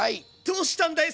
どうしたんだい